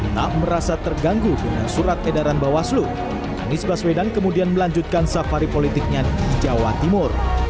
tak merasa terganggu dengan surat edaran bawaslu anies baswedan kemudian melanjutkan safari politiknya di jawa timur